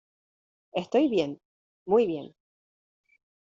Estoy bien. Muy bien .